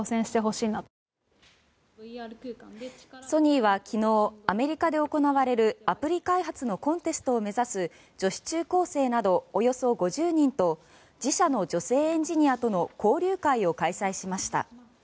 ソニーは昨日アメリカで行われるアプリ開発のコンテストを目指す女子中高生などおよそ５０人と自社の女性エンジニアとの交流会を開催しました。